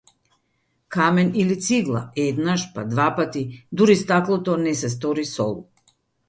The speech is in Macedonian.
Камен или цигла, еднаш, па двапати, дури стаклото не се стори сол.